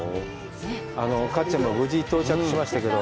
かっちゃんも無事到着しましたけど、